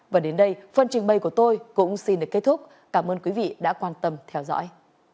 và đến đây phần trình bày của tôi cũng xin được kết thúc cảm ơn quý vị đã quan tâm theo dõi